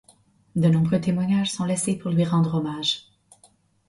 De nombreux témoignages sont laissés pour lui rendre hommage.